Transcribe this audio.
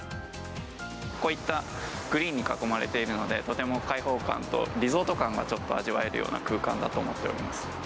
こういったグリーンに囲まれているので、とても開放感とリゾート感がちょっと味わえるような空間だと思っております。